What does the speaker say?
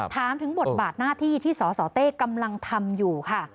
ถามถึงบทบาทหน้าที่ที่สสเต้กำลังทำอยู่ค่ะ